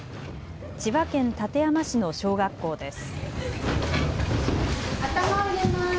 千葉県館山市の小学校です。